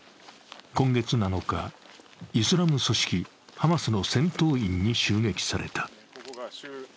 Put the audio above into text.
今月７日、イスラム組織ハマスの戦闘員に襲撃された。